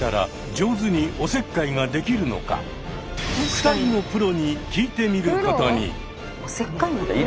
２人のプロに聞いてみることに。